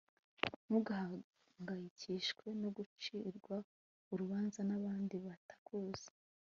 ntugahangayikishwe no gucirwa urubanza n'abandi batakuzi